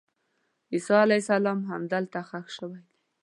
عیسی علیه السلام همدلته ښخ شوی دی.